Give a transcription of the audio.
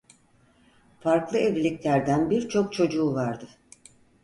Farklı evliliklerden birçok çocuğu vardı.